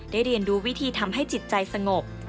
เรียนดูวิธีทำให้จิตใจสงบ